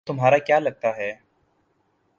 وہ تمہارا کیا لگتا ہے؟